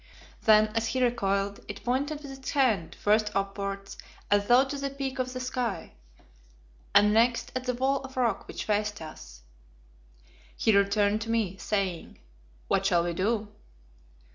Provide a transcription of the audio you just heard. Then as he recoiled it pointed with its hand, first upwards as though to the Peak or the sky, and next at the wall of rock which faced us. He returned to me saying, "What shall we do?"